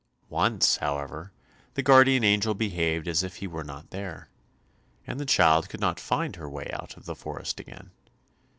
Once, however, the guardian angel behaved as if he were not there, and the child could not find her way out of the forest again.